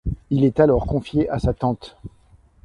Il est alors confié à sa tante.